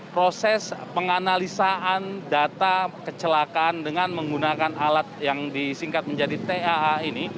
proses penganalisaan data kecelakaan dengan menggunakan alat yang disingkat menjadi taa ini